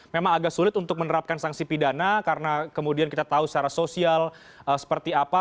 memang agak sulit untuk menerapkan sanksi pidana karena kemudian kita tahu secara sosial seperti apa